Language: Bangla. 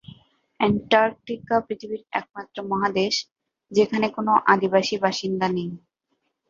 অ্যান্টার্কটিকা পৃথিবীর একমাত্র মহাদেশ যেখানে কোন আদিবাসী বাসিন্দা নেই।